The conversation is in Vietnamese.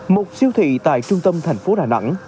một siêu thị tại trung tâm thành phố đà nẵng